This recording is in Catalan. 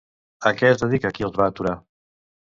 A què es dedica qui els va aturar?